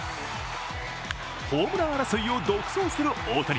ホームラン争いを独走する大谷。